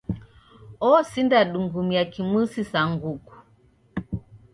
Osinda dungumia kimusi sa nguku.